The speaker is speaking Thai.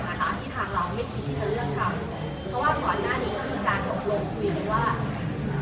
น่ะคะที่ทางเราไม่คิดที่จะเลือกทำ